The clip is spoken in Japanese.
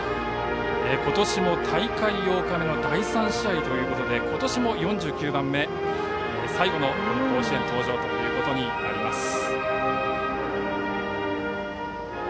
今年も大会８日目の第３試合ということで今年も４９番目最後の甲子園登場となります。